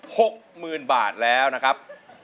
หกหมื่นบาทแล้วนะครับ